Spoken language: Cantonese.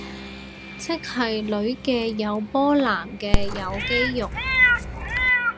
即係女嘅有波男嘅有肌肉